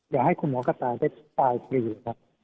ว่าคุณหมอกระต่างได้ฝ่ายคุณครับหู